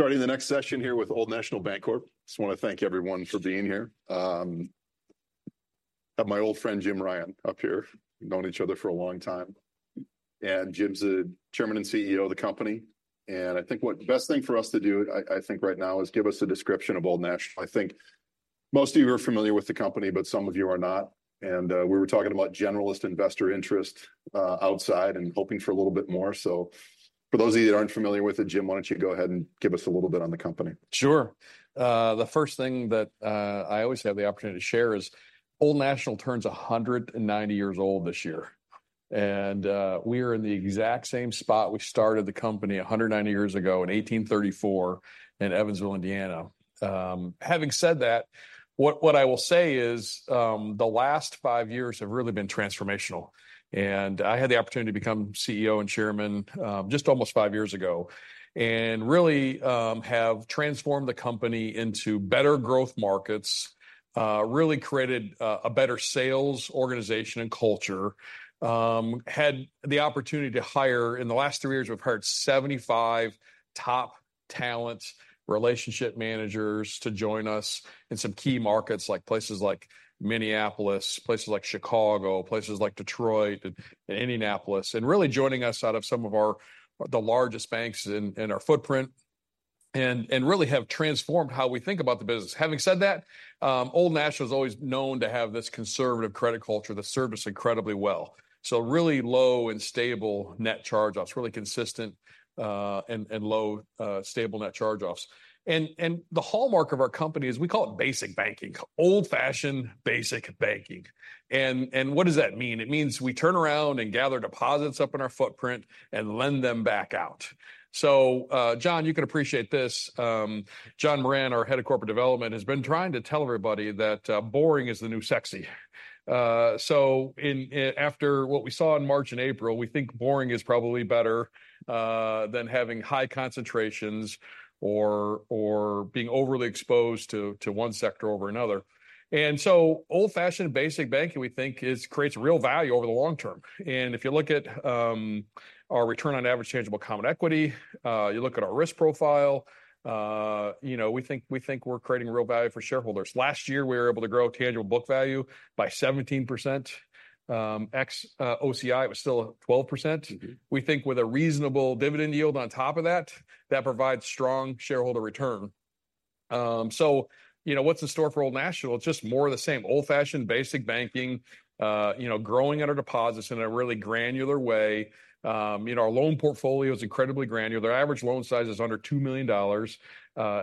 Starting the next session here with Old National Bancorp. Just want to thank everyone for being here. I have my old friend, Jim Ryan, up here. We've known each other for a long time. And Jim's the Chairman and CEO of the company. And I think what best thing for us to do, I think right now, is give us a description of Old National. I think most of you are familiar with the company, but some of you are not. And, we were talking about generalist investor interest, outside and hoping for a little bit more. So for those of you that aren't familiar with it, Jim, why don't you go ahead and give us a little bit on the company? Sure. The first thing that I always have the opportunity to share is Old National turns 190 years old this year. We are in the exact same spot. We started the company 190 years ago in 1834 in Evansville, Indiana. Having said that, what what I will say is, the last five years have really been transformational. I had the opportunity to become CEO and Chairman just almost five years ago. Really, have transformed the company into better growth markets, really created a better sales organization and culture. Had the opportunity to hire in the last three years; we've hired 75 top talent relationship managers to join us in some key markets like places like Minneapolis, places like Chicago, places like Detroit, and Indianapolis, and really joining us out of some of our largest banks in our footprint. And really have transformed how we think about the business. Having said that, Old National is always known to have this conservative credit culture that serves us incredibly well. So really low and stable net charge-offs, really consistent, and low, stable net charge-offs. And the hallmark of our company is we call it basic banking, old-fashioned basic banking. And what does that mean? It means we turn around and gather deposits up in our footprint and lend them back out. So, Jon, you can appreciate this. Jon Moran, our head of corporate development, has been trying to tell everybody that, boring is the new sexy. So in after what we saw in March and April, we think boring is probably better than having high concentrations or being overly exposed to one sector over another. And so old-fashioned basic banking, we think, creates real value over the long term. And if you look at our return on average tangible common equity, you look at our risk profile, you know, we think we think we're creating real value for shareholders. Last year we were able to grow tangible book value by 17%. Ex-OCI, it was still 12%. We think with a reasonable dividend yield on top of that, that provides strong shareholder return. So, you know, what's in store for Old National? It's just more of the same, old-fashioned basic banking, you know, growing at our deposits in a really granular way. You know, our loan portfolio is incredibly granular. Our average loan size is under $2 million.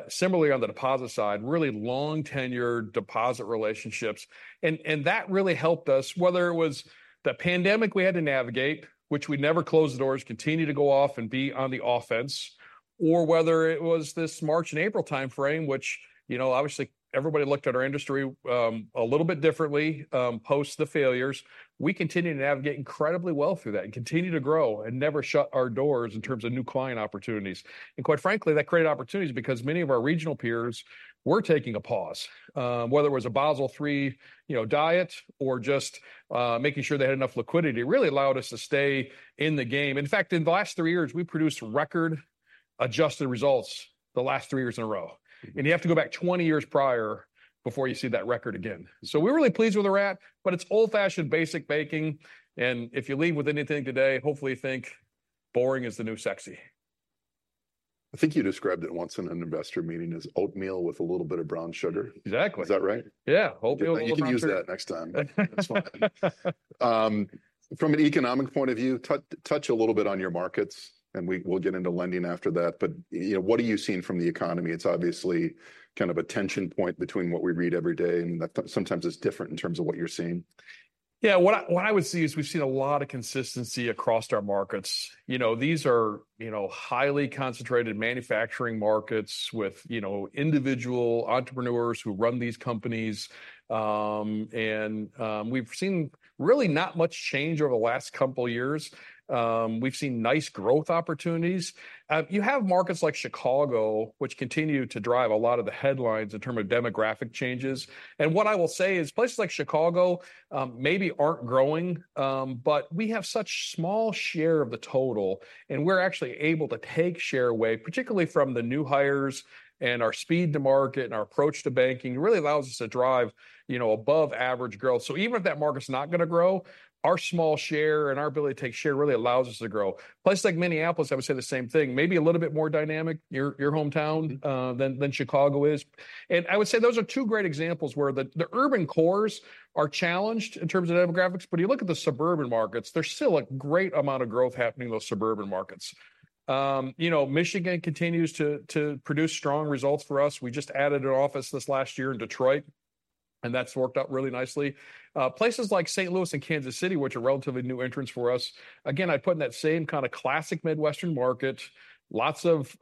Similarly on the deposit side, really long-tenured deposit relationships. And that really helped us, whether it was the pandemic we had to navigate, which we'd never close the doors, continue to go off and be on the offense, or whether it was this March and April timeframe, which, you know, obviously everybody looked at our industry a little bit differently, post the failures. We continued to navigate incredibly well through that and continue to grow and never shut our doors in terms of new client opportunities. And quite frankly, that created opportunities because many of our regional peers were taking a pause, whether it was a Basel III, you know, diet or just making sure they had enough liquidity; it really allowed us to stay in the game. In fact, in the last three years, we produced record-adjusted results the last three years in a row. You have to go back 20 years prior before you see that record again. We're really pleased with that, but it's old-fashioned basic banking. If you leave with anything today, hopefully you think boring is the new sexy. I think you described it once in an investor meeting as oatmeal with a little bit of brown sugar. Exactly. Is that right? Yeah, oatmeal with brown sugar. You can use that next time. That's fine. From an economic point of view, touch a little bit on your markets, and we'll get into lending after that. But, you know, what are you seeing from the economy? It's obviously kind of a tension point between what we read every day, and that sometimes is different in terms of what you're seeing. Yeah, what I would see is we've seen a lot of consistency across our markets. You know, these are, you know, highly concentrated manufacturing markets with, you know, individual entrepreneurs who run these companies. And, we've seen really not much change over the last couple of years. We've seen nice growth opportunities. You have markets like Chicago, which continue to drive a lot of the headlines in terms of demographic changes. And what I will say is places like Chicago, maybe aren't growing, but we have such small share of the total, and we're actually able to take share away, particularly from the new hires and our speed to market and our approach to banking. It really allows us to drive, you know, above-average growth. So even if that market's not going to grow, our small share and our ability to take share really allows us to grow. Places like Minneapolis, I would say the same thing, maybe a little bit more dynamic, your hometown, than Chicago is. And I would say those are two great examples where the urban cores are challenged in terms of demographics. But you look at the suburban markets, there's still a great amount of growth happening in those suburban markets. You know, Michigan continues to produce strong results for us. We just added an office this last year in Detroit. And that's worked out really nicely. Places like St. Louis and Kansas City, which are relatively new entrants for us. Again, I'd put in that same kind of classic Midwestern market, lots of,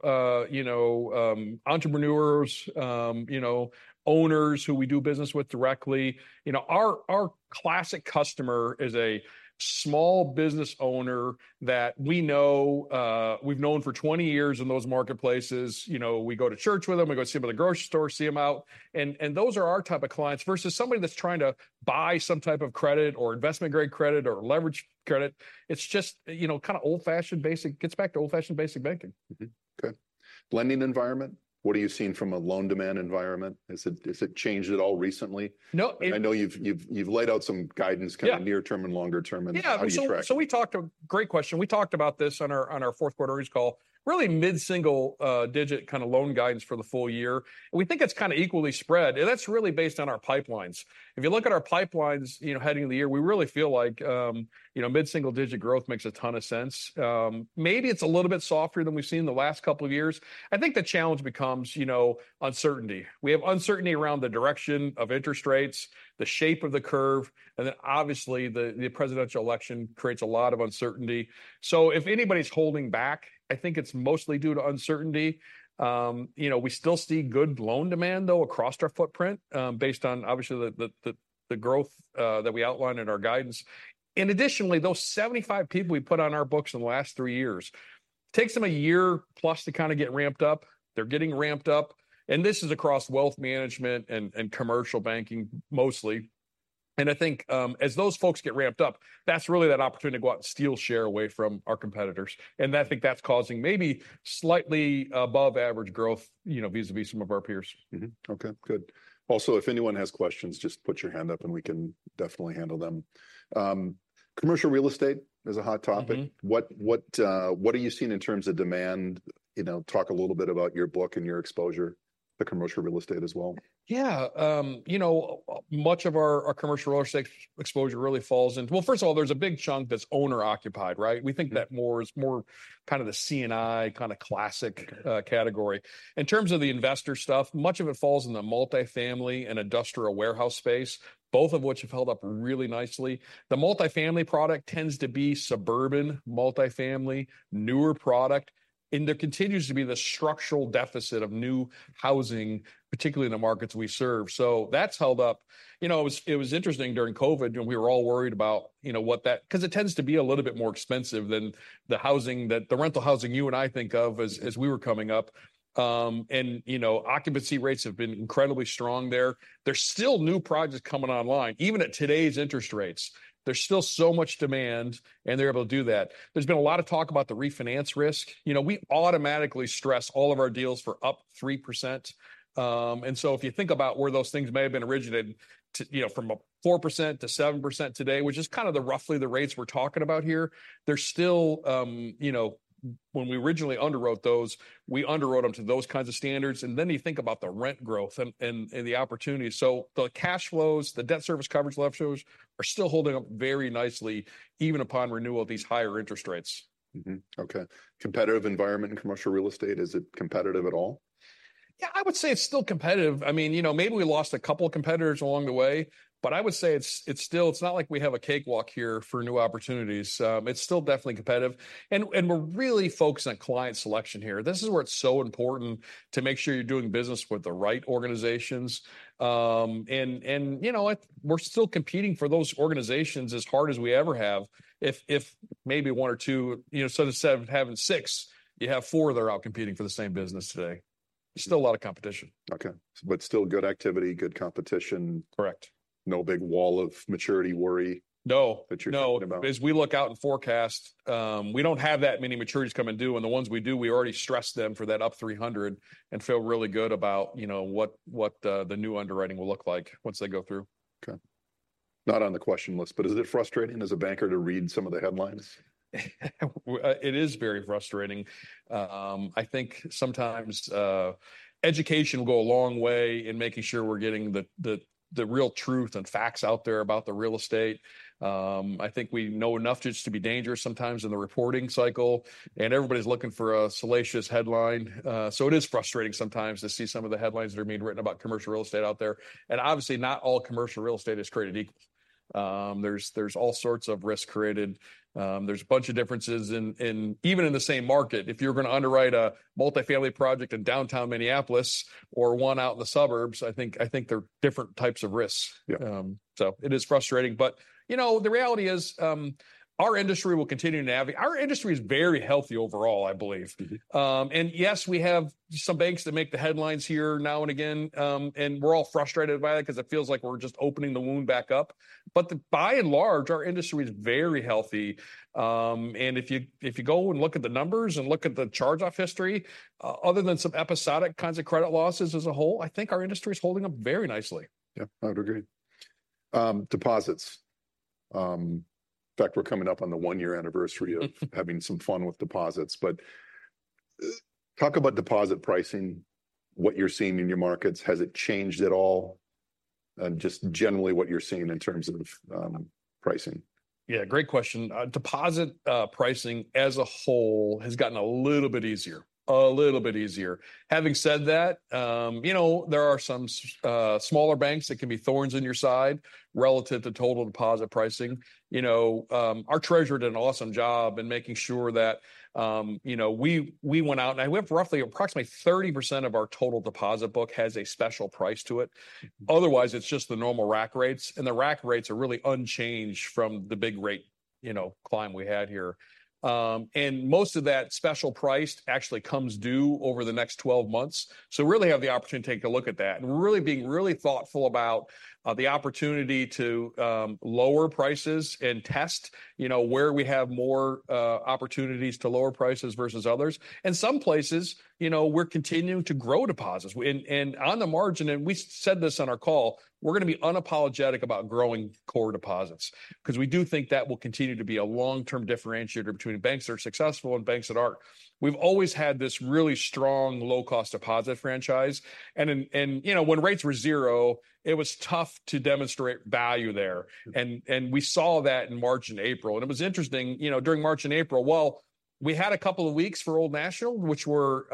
you know, entrepreneurs, you know, owners who we do business with directly. You know, our classic customer is a small business owner that we know, we've known for 20 years in those marketplaces. You know, we go to church with them, we go to see them at the grocery store, see them out. And those are our type of clients versus somebody that's trying to buy some type of credit or investment-grade credit or leveraged credit. It's just, you know, kind of old-fashioned basic, gets back to old-fashioned basic banking. Okay. Lending environment, what are you seeing from a loan demand environment? Has it changed at all recently? No. I know you've laid out some guidance kind of near-term and longer-term and how you track. Yeah, so, so we talked. Great question. We talked about this on our fourth quarter earnings call, really mid-single-digit kind of loan guidance for the full year. We think it's kind of equally spread. And that's really based on our pipelines. If you look at our pipelines, you know, heading into the year, we really feel like, you know, mid-single-digit growth makes a ton of sense. Maybe it's a little bit softer than we've seen the last couple of years. I think the challenge becomes, you know, uncertainty. We have uncertainty around the direction of interest rates, the shape of the curve, and then obviously the presidential election creates a lot of uncertainty. So if anybody's holding back, I think it's mostly due to uncertainty. You know, we still see good loan demand, though, across our footprint, based on obviously the growth that we outlined in our guidance. And additionally, those 75 people we put on our books in the last three years, it takes them a year plus to kind of get ramped up. They're getting ramped up. And this is across wealth management and commercial banking mostly. And I think, as those folks get ramped up, that's really that opportunity to go out and steal share away from our competitors. And I think that's causing maybe slightly above-average growth, you know, vis-à-vis some of our peers. Okay, good. Also, if anyone has questions, just put your hand up and we can definitely handle them. Commercial real estate is a hot topic. What are you seeing in terms of demand? You know, talk a little bit about your book and your exposure to commercial real estate as well. Yeah, you know, much of our commercial real estate exposure really falls into well, first of all, there's a big chunk that's owner-occupied, right? We think that more is more kind of the C&I kind of classic category. In terms of the investor stuff, much of it falls in the multifamily and industrial warehouse space, both of which have held up really nicely. The multifamily product tends to be suburban multifamily, newer product. And there continues to be the structural deficit of new housing, particularly in the markets we serve. So that's held up. You know, it was interesting during COVID when we were all worried about, you know, what that because it tends to be a little bit more expensive than the housing that the rental housing you and I think of as we were coming up. And, you know, occupancy rates have been incredibly strong there. There's still new projects coming online. Even at today's interest rates, there's still so much demand and they're able to do that. There's been a lot of talk about the refinance risk. You know, we automatically stress all of our deals for up 3%. And so if you think about where those things may have been originated to, you know, from 4%-7% today, which is kind of the roughly the rates we're talking about here, there's still, you know, when we originally underwrote those, we underwrote them to those kinds of standards. And then you think about the rent growth and the opportunities. So the cash flows, the debt service coverage leverages are still holding up very nicely, even upon renewal of these higher interest rates. Okay. Competitive environment in Commercial Real Estate, is it competitive at all? Yeah, I would say it's still competitive. I mean, you know, maybe we lost a couple of competitors along the way, but I would say it's still not like we have a cakewalk here for new opportunities. It's still definitely competitive. And, you know, we're really focused on client selection here. This is where it's so important to make sure you're doing business with the right organizations. And, you know, we're still competing for those organizations as hard as we ever have. If maybe one or two, you know, instead of having six, you have four that are out competing for the same business today. Still a lot of competition. Okay. But still good activity, good competition. Correct. No big wall of maturity worry that you're thinking about? No. As we look out and forecast, we don't have that many maturities coming due. And the ones we do, we already stress them for that up 300 and feel really good about, you know, what the new underwriting will look like once they go through. Okay. Not on the question list, but is it frustrating as a banker to read some of the headlines? It is very frustrating. I think sometimes education will go a long way in making sure we're getting the real truth and facts out there about the real estate. I think we know enough just to be dangerous sometimes in the reporting cycle. And everybody's looking for a salacious headline. So it is frustrating sometimes to see some of the headlines that are being written about commercial real estate out there. And obviously, not all commercial real estate is created equal. There's all sorts of risks created. There's a bunch of differences in even in the same market. If you're going to underwrite a multifamily project in downtown Minneapolis or one out in the suburbs, I think they're different types of risks. So it is frustrating. But, you know, the reality is, our industry will continue to navigate. Our industry is very healthy overall, I believe. Yes, we have some banks that make the headlines here now and again. We're all frustrated by that because it feels like we're just opening the wound back up. But by and large, our industry is very healthy. If you if you go and look at the numbers and look at the charge-off history, other than some episodic kinds of credit losses as a whole, I think our industry is holding up very nicely. Yeah, I would agree. Deposits. In fact, we're coming up on the one-year anniversary of having some fun with deposits. But talk about deposit pricing, what you're seeing in your markets. Has it changed at all? And just generally what you're seeing in terms of pricing. Yeah, great question. Deposit pricing as a whole has gotten a little bit easier, a little bit easier. Having said that, you know, there are some smaller banks that can be thorns in your side relative to total deposit pricing. You know, our treasurer did an awesome job in making sure that, you know, we went out and we have roughly approximately 30% of our total deposit book has a special price to it. Otherwise, it's just the normal rack rates. And the rack rates are really unchanged from the big rate, you know, climb we had here. And most of that special price actually comes due over the next 12 months. So we really have the opportunity to take a look at that. And we're really being really thoughtful about the opportunity to lower prices and test, you know, where we have more opportunities to lower prices versus others. And some places, you know, we're continuing to grow deposits. And on the margin, and we said this on our call, we're going to be unapologetic about growing core deposits. Because we do think that will continue to be a long-term differentiator between banks that are successful and banks that aren't. We've always had this really strong low-cost deposit franchise. And, you know, when rates were zero, it was tough to demonstrate value there. And we saw that in March and April. And it was interesting, you know, during March and April, well, we had a couple of weeks for Old National, which were,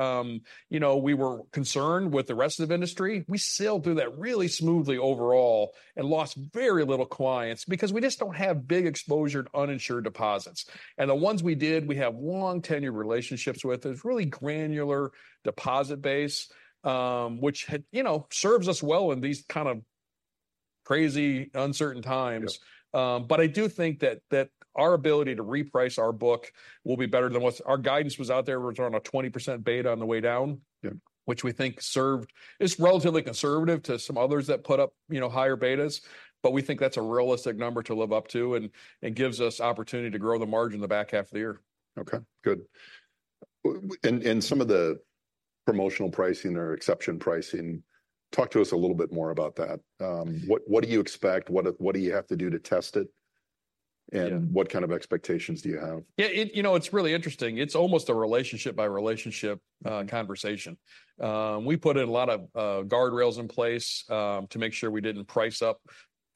you know, we were concerned with the rest of the industry. We sailed through that really smoothly overall and lost very little clients because we just don't have big exposure to uninsured deposits. The ones we did, we have long-tenure relationships with. It's really granular deposit base, which had, you know, serves us well in these kind of crazy, uncertain times. But I do think that that our ability to reprice our book will be better than what's our guidance was out there. We were on a 20% beta on the way down, which we think served is relatively conservative to some others that put up, you know, higher betas. But we think that's a realistic number to live up to and and gives us opportunity to grow the margin in the back half of the year. Okay, good. And some of the promotional pricing or exception pricing, talk to us a little bit more about that. What do you expect? What do you have to do to test it? And what kind of expectations do you have? Yeah, it you know, it's really interesting. It's almost a relationship-by-relationship conversation. We put in a lot of guardrails in place to make sure we didn't price up,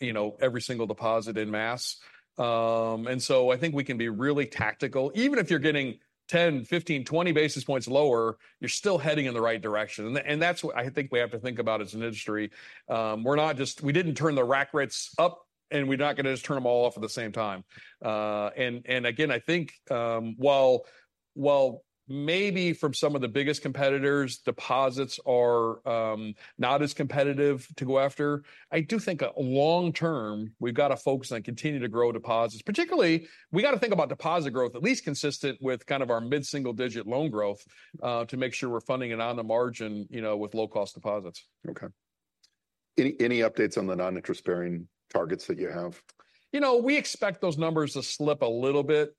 you know, every single deposit en masse. And so I think we can be really tactical. Even if you're getting 10, 15, 20 basis points lower, you're still heading in the right direction. And that's what I think we have to think about as an industry. We're not just we didn't turn the rack rates up and we're not going to just turn them all off at the same time. And again, I think while maybe from some of the biggest competitors, deposits are not as competitive to go after, I do think a long-term, we've got to focus on continuing to grow deposits. Particularly, we got to think about deposit growth, at least consistent with kind of our mid-single digit loan growth to make sure we're funding it on the margin, you know, with low-cost deposits. Okay. Any updates on the non-interest-bearing targets that you have? You know, we expect those numbers to slip a little bit,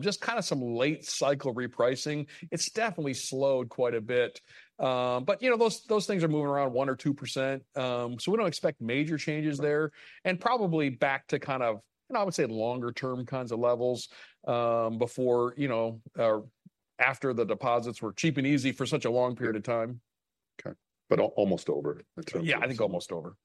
just kind of some late cycle repricing. It's definitely slowed quite a bit. But you know, those those things are moving around 1% or 2%. So we don't expect major changes there. And probably back to kind of, you know, I would say longer-term kinds of levels before, you know, after the deposits were cheap and easy for such a long period of time. Okay, but almost over in terms of. Yeah, I think almost over.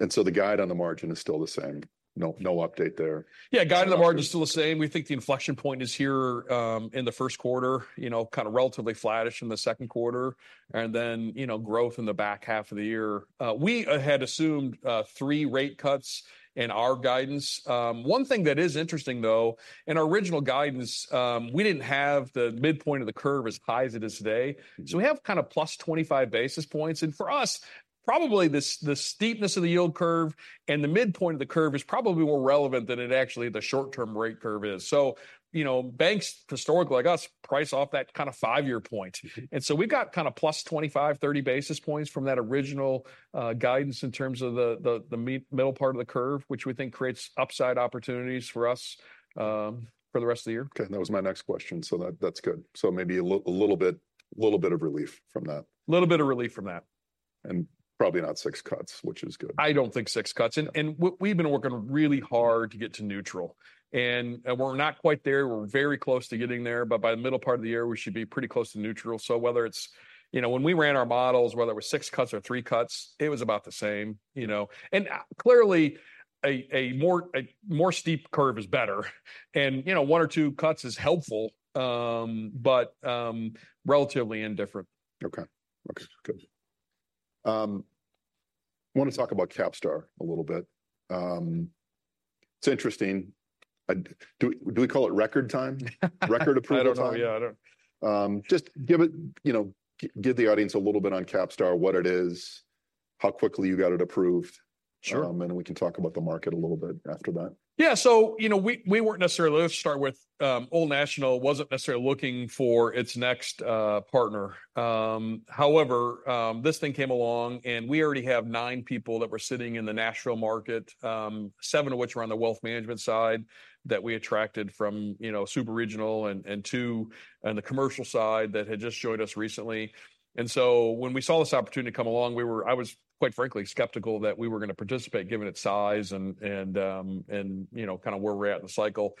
Okay, got it. The guide on the margin is still the same. No, no update there. Yeah, guide on the margin is still the same. We think the inflection point is here in the first quarter, you know, kind of relatively flattish in the second quarter. And then, you know, growth in the back half of the year. We had assumed three rate cuts in our guidance. One thing that is interesting, though, in our original guidance, we didn't have the midpoint of the curve as high as it is today. So we have kind of +25 basis points. And for us, probably this the steepness of the yield curve and the midpoint of the curve is probably more relevant than it actually the short-term rate curve is. So, you know, banks historically like us price off that kind of five-year point. So we've got kind of +25-30 basis points from that original guidance in terms of the middle part of the curve, which we think creates upside opportunities for us for the rest of the year. Okay, and that was my next question. So, that that's good. So maybe a little bit a little bit of relief from that. A little bit of relief from that. Probably not six cuts, which is good. I don't think six cuts. And we've been working really hard to get to neutral. And we're not quite there. We're very close to getting there. But by the middle part of the year, we should be pretty close to neutral. So whether it's, you know, when we ran our models, whether it was six cuts or three cuts, it was about the same, you know. And clearly, a more steep curve is better. And, you know, one or two cuts is helpful, but relatively indifferent. Okay, okay, good. I want to talk about CapStar a little bit. It's interesting. Do we call it record time? Record approved time? I don't know. Yeah, I don't. Just give it, you know, give the audience a little bit on CapStar, what it is, how quickly you got it approved. Sure. And then we can talk about the market a little bit after that. Yeah, so, you know, we weren't necessarily—let's start with, Old National wasn't necessarily looking for its next partner. However, this thing came along and we already have nine people that were sitting in the national market, seven of which were on the wealth management side that we attracted from, you know, super regional and two on the commercial side that had just joined us recently. And so when we saw this opportunity come along, we were—I was quite frankly skeptical that we were going to participate given its size and, you know, kind of where we're at in the cycle.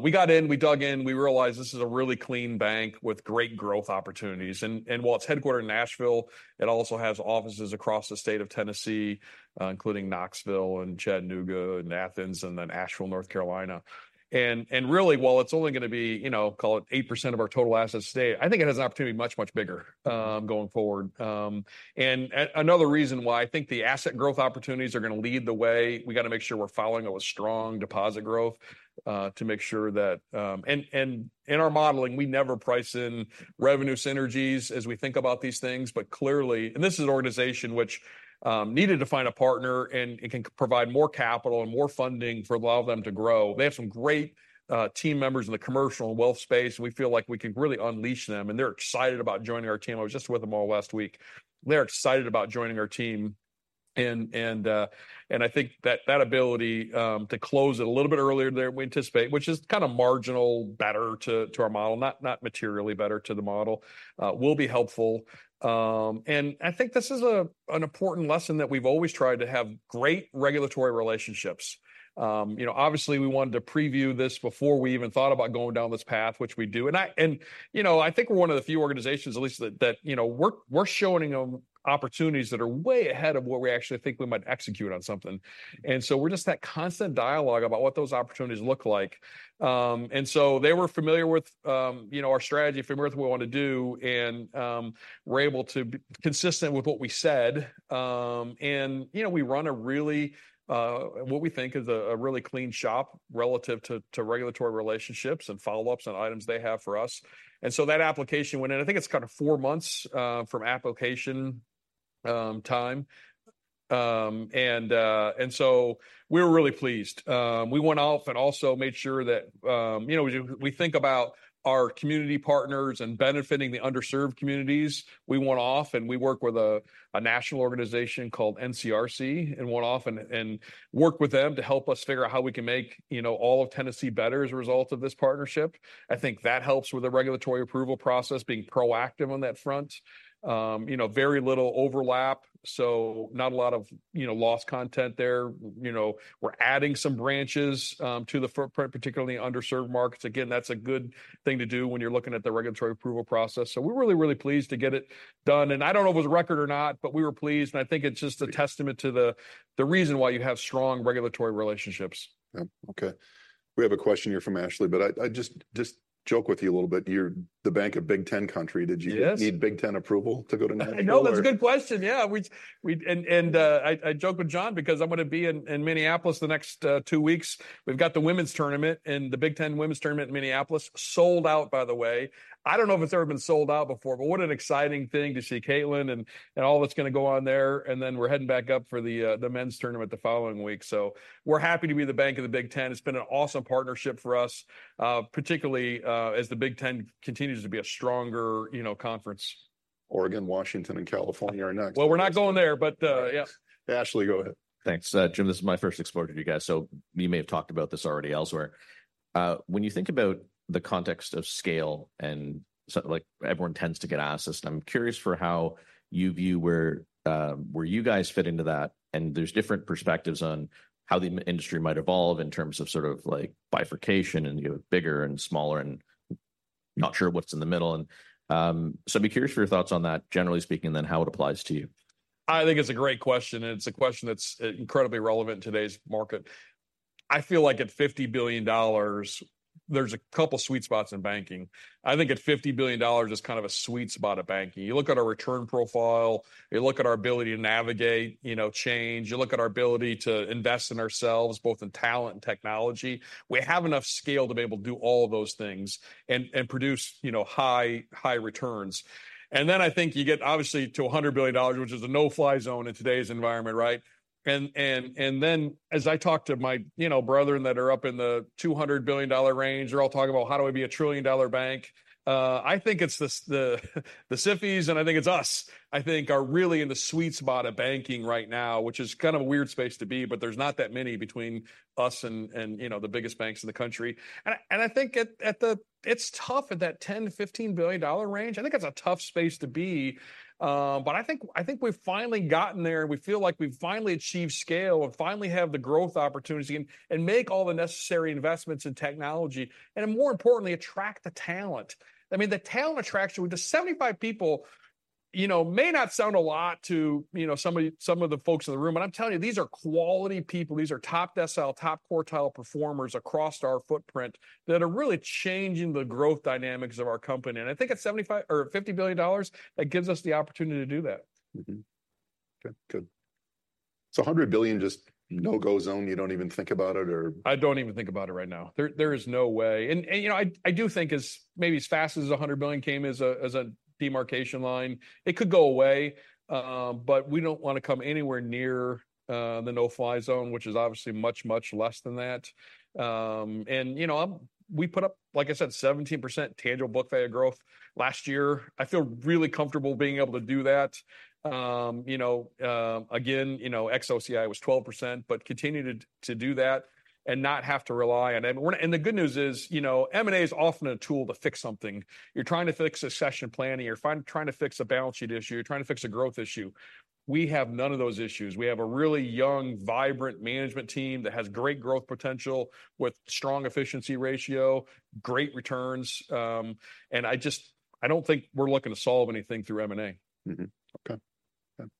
We got in, we dug in, we realized this is a really clean bank with great growth opportunities. While it's headquartered in Nashville, it also has offices across the state of Tennessee, including Knoxville and Chattanooga and Athens and then Asheville, North Carolina. Really, while it's only going to be, you know, call it 8% of our total assets today, I think it has an opportunity much, much bigger, going forward. And another reason why I think the asset growth opportunities are going to lead the way, we got to make sure we're following it with strong deposit growth, to make sure that, in our modeling, we never price in revenue synergies as we think about these things. But clearly, this is an organization which needed to find a partner and can provide more capital and more funding for allowing them to grow. They have some great team members in the commercial and wealth space. And we feel like we can really unleash them. And they're excited about joining our team. I was just with them all last week. They're excited about joining our team. And I think that ability to close it a little bit earlier than we anticipate, which is kind of marginal better to our model, not materially better to the model, will be helpful. And I think this is an important lesson that we've always tried to have great regulatory relationships. You know, obviously we wanted to preview this before we even thought about going down this path, which we do. And I, you know, I think we're one of the few organizations, at least that, you know, we're showing them opportunities that are way ahead of what we actually think we might execute on something. And so we're just that constant dialogue about what those opportunities look like. And so they were familiar with, you know, our strategy, familiar with what we want to do. And we're able to be consistent with what we said. And you know, we run a really, what we think is a really clean shop relative to regulatory relationships and follow-ups and items they have for us. And so that application went in, I think it's kind of four months from application time. And so we were really pleased. We went off and also made sure that, you know, we think about our community partners and benefiting the underserved communities. We went off and we worked with a national organization called NCRC and went off and worked with them to help us figure out how we can make, you know, all of Tennessee better as a result of this partnership. I think that helps with the regulatory approval process being proactive on that front. You know, very little overlap. So not a lot of, you know, lost content there. You know, we're adding some branches to the footprint, particularly in the underserved markets. Again, that's a good thing to do when you're looking at the regulatory approval process. So we're really, really pleased to get it done. And I don't know if it was a record or not, but we were pleased. And I think it's just a testament to the reason why you have strong regulatory relationships. Yeah, okay. We have a question here from Ashley, but I just joke with you a little bit. You're the bank of Big Ten country. Did you need Big Ten approval to go to national? I know that's a good question. Yeah, I joke with John because I'm going to be in Minneapolis the next two weeks. We've got the women's tournament and the Big Ten women's tournament in Minneapolis sold out, by the way. I don't know if it's ever been sold out before, but what an exciting thing to see Caitlin and all that's going to go on there. And then we're heading back up for the men's tournament the following week. So we're happy to be the bank of the Big Ten. It's been an awesome partnership for us, particularly as the Big Ten continues to be a stronger, you know, conference. Oregon, Washington, and California are next. Well, we're not going there, but, yeah. Ashley, go ahead. Thanks. Jim, this is my first exposure to you guys. So you may have talked about this already elsewhere. When you think about the context of scale and like everyone tends to get assets, and I'm curious for how you view where, where you guys fit into that. And there's different perspectives on how the industry might evolve in terms of sort of like bifurcation and you have bigger and smaller and not sure what's in the middle. So I'd be curious for your thoughts on that, generally speaking, and then how it applies to you. I think it's a great question. It's a question that's incredibly relevant in today's market. I feel like at $50 billion, there's a couple of sweet spots in banking. I think at $50 billion is kind of a sweet spot of banking. You look at our return profile, you look at our ability to navigate, you know, change, you look at our ability to invest in ourselves, both in talent and technology. We have enough scale to be able to do all of those things and produce, you know, high high returns. Then I think you get obviously to $100 billion, which is a no-fly zone in today's environment, right? And then as I talk to my, you know, brother and that are up in the $200 billion range, they're all talking about how do we be a $1 trillion bank? I think it's the SIFIs, and I think it's us. I think we are really in the sweet spot of banking right now, which is kind of a weird space to be, but there's not that many between us and, you know, the biggest banks in the country. And I think at the it's tough at that $10-$15 billion range. I think it's a tough space to be. But I think we've finally gotten there and we feel like we've finally achieved scale and finally have the growth opportunity and make all the necessary investments in technology and, more importantly, attract the talent. I mean, the talent attraction with the 75 people, you know, may not sound a lot to, you know, some of the folks in the room. But I'm telling you, these are quality people. These are top decile, top quartile performers across our footprint that are really changing the growth dynamics of our company. I think at $75 or $50 billion, that gives us the opportunity to do that. Okay, good. So $100 billion, just no-go zone, you don't even think about it or? I don't even think about it right now. There is no way. And, you know, I do think as fast as $100 billion came as a demarcation line, it could go away. But we don't want to come anywhere near the no-fly zone, which is obviously much, much less than that. And, you know, we put up, like I said, 17% tangible book value growth last year. I feel really comfortable being able to do that. You know, again, you know, ex-OCI was 12%, but continue to do that and not have to rely on it. And the good news is, you know, M&A is often a tool to fix something. You're trying to fix succession planning, you're trying to fix a balance sheet issue, you're trying to fix a growth issue. We have none of those issues. We have a really young, vibrant management team that has great growth potential with strong efficiency ratio, great returns, and I just I don't think we're looking to solve anything through M&A. Okay, good.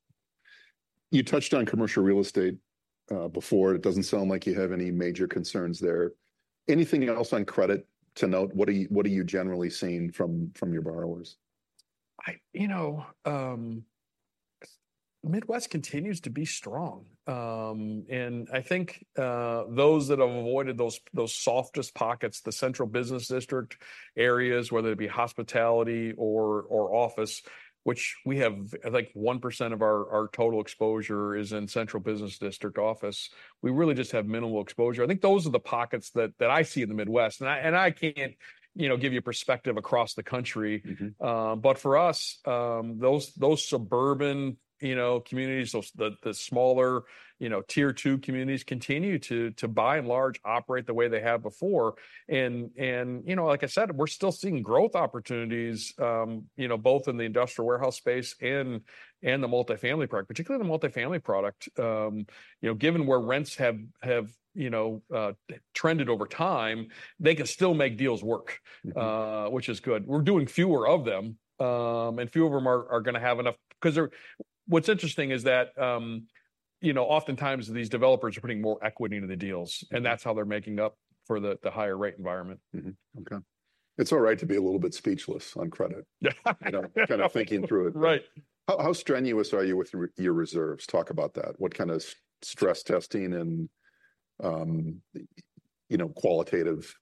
You touched on commercial real estate before. It doesn't sound like you have any major concerns there. Anything else on credit to note? What are you generally seeing from your borrowers? I, you know, the Midwest continues to be strong. I think those that have avoided those softest pockets, the central business district areas, whether it be hospitality or office, which we have, I think 1% of our total exposure is in central business district office. We really just have minimal exposure. I think those are the pockets that I see in the Midwest. I can't, you know, give you a perspective across the country. But for us, those suburban, you know, communities, those the smaller, you know, tier two communities continue to by and large operate the way they have before. And, you know, like I said, we're still seeing growth opportunities, you know, both in the industrial warehouse space and the multifamily product, particularly the multifamily product. You know, given where rents have, you know, trended over time, they can still make deals work, which is good. We're doing fewer of them. Few of them are going to have enough because they're what's interesting is that, you know, oftentimes these developers are putting more equity into the deals. And that's how they're making up for the higher rate environment. Okay. It's all right to be a little bit speechless on credit. You know, kind of thinking through it. Right. How strenuous are you with your reserves? Talk about that. What kind of stress testing and, you know, qualitative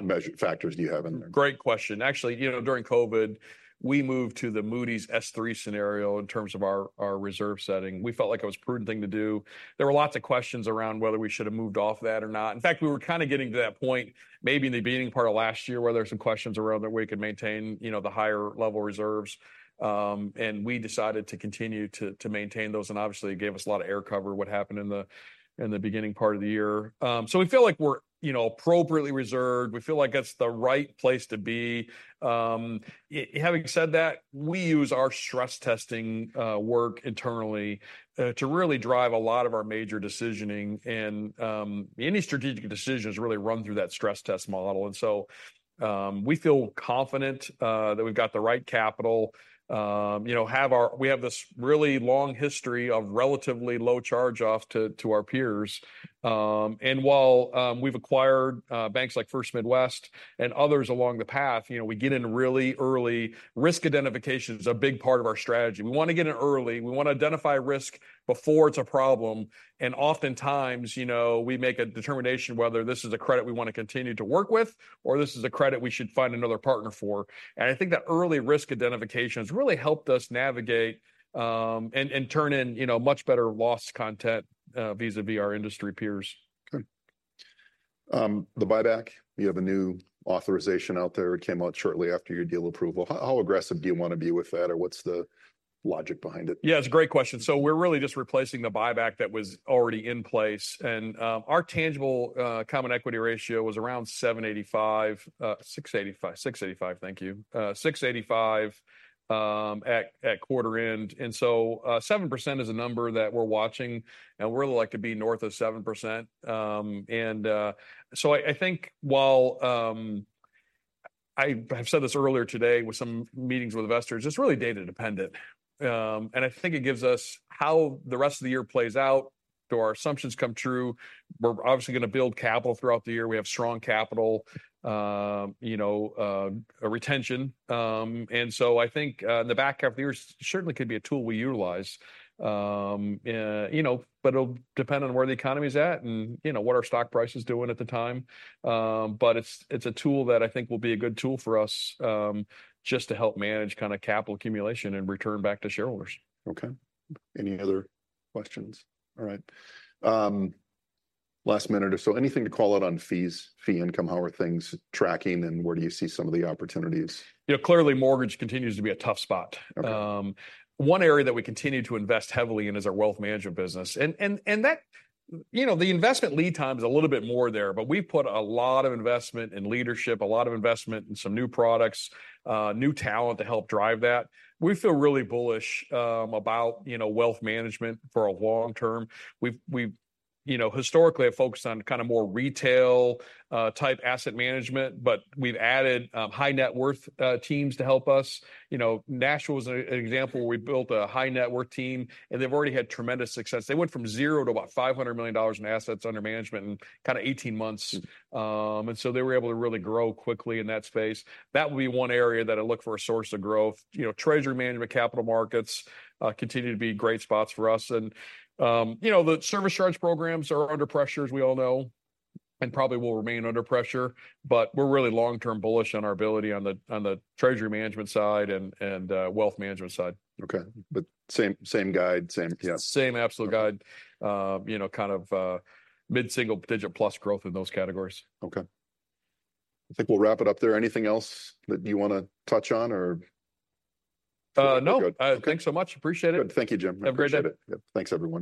measure factors do you have in there? Great question. Actually, you know, during COVID, we moved to the Moody's S3 scenario in terms of our reserve setting. We felt like it was a prudent thing to do. There were lots of questions around whether we should have moved off that or not. In fact, we were kind of getting to that point maybe in the beginning part of last year where there were some questions around that we could maintain, you know, the higher level reserves. And we decided to continue to maintain those. And obviously it gave us a lot of air cover what happened in the beginning part of the year. So we feel like we're, you know, appropriately reserved. We feel like that's the right place to be. Having said that, we use our stress testing work internally to really drive a lot of our major decisioning. Any strategic decision is really run through that stress test model. So, we feel confident that we've got the right capital. You know, we have this really long history of relatively low charge-off to our peers. And while we've acquired banks like First Midwest and others along the path, you know, we get in really early. Risk identification is a big part of our strategy. We want to get in early. We want to identify risk before it's a problem. And oftentimes, you know, we make a determination whether this is a credit we want to continue to work with or this is a credit we should find another partner for. And I think that early risk identification has really helped us navigate and turn in, you know, much better loss content, vis-à-vis our industry peers. Okay. The buyback, you have a new authorization out there. It came out shortly after your deal approval. How aggressive do you want to be with that or what's the logic behind it? Yeah, it's a great question. So we're really just replacing the buyback that was already in place. And our tangible common equity ratio was around 7.85, 6.85, 6.85, thank you, 6.85, at quarter end. And so, 7% is a number that we're watching. And we really like to be north of 7%. And so I think while I have said this earlier today with some meetings with investors, it's really data dependent. And I think it gives us how the rest of the year plays out. Do our assumptions come true? We're obviously going to build capital throughout the year. We have strong capital, you know, retention. And so I think in the back half of the year, it certainly could be a tool we utilize. You know, but it'll depend on where the economy is at and, you know, what our stock price is doing at the time. But it's a tool that I think will be a good tool for us, just to help manage kind of capital accumulation and return back to shareholders. Okay. Any other questions? All right. Last minute or so, anything to call out on fees, fee income? How are things tracking and where do you see some of the opportunities? You know, clearly mortgage continues to be a tough spot. One area that we continue to invest heavily in is our wealth management business. And that, you know, the investment lead time is a little bit more there, but we've put a lot of investment in leadership, a lot of investment in some new products, new talent to help drive that. We feel really bullish about, you know, wealth management for a long term. We've, you know, historically have focused on kind of more retail type asset management, but we've added high net worth teams to help us. You know, Nashville is an example where we built a high net worth team and they've already had tremendous success. They went from zero to about $500 million in assets under management in kind of 18 months. And so they were able to really grow quickly in that space. That would be one area that I look for a source of growth. You know, treasury management, capital markets continue to be great spots for us. You know, the service charge programs are under pressure as we all know and probably will remain under pressure, but we're really long-term bullish on our ability on the treasury management side and, wealth management side. Okay. But same same guide, same yeah. Same absolute guide. You know, kind of, mid-single digit plus growth in those categories. Okay. I think we'll wrap it up there. Anything else that you want to touch on or? No. I think so much. Appreciate it. Good. Thank you, Jim. Have a great day. Yep. Thanks, everyone.